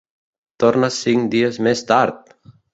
Torna cinc dies més tard!